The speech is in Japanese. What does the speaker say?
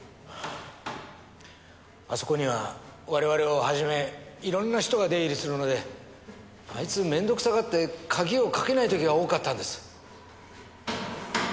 あそこには我々をはじめいろんな人が出入りするのであいつ面倒くさがって鍵をかけない時が多かったんです。